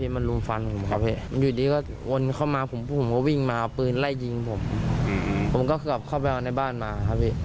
มันฟันพวกเรา